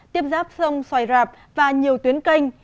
tiếp giáp sông xoài rạp và nhiều tuyến canh